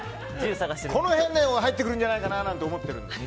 この辺が入ってくるんじゃないかと思ってるんです。